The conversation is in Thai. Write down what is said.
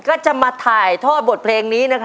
ก็จะมาถ่ายทอดบทเพลงนี้นะคะ